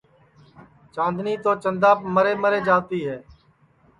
چاندنی تو چنداپ مرے مرے جاوتی ہے